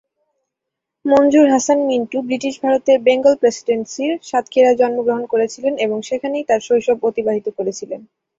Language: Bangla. মনজুর হাসান মিন্টু ব্রিটিশ ভারতের বেঙ্গল প্রেসিডেন্সির সাতক্ষীরায় জন্মগ্রহণ করেছিলেন এবং সেখানেই তার শৈশব অতিবাহিত করেছিলেন।